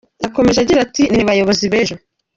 Yakomeje agira ati “Ni mwe bayobozi b’ejo.